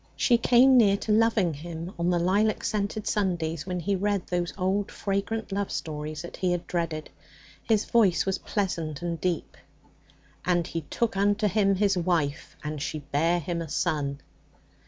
She came near to loving him on the lilac scented Sundays when he read those old fragrant love stories that he had dreaded. His voice was pleasant and deep. '"And he took unto him his wife, and she bare him a son."'